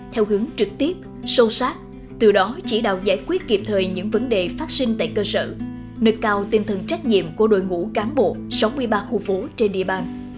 theo hướng trực tiếp sâu sát từ đó chỉ đạo giải quyết kịp thời những vấn đề phát sinh tại cơ sở nâng cao tinh thần trách nhiệm của đội ngũ cán bộ sáu mươi ba khu phố trên địa bàn